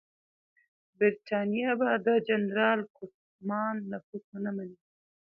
برټانیه به د جنرال کوفمان نفوذ ونه مني.